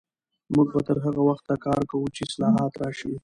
موږ به تر هغه وخته کار کوو چې اصلاحات راشي.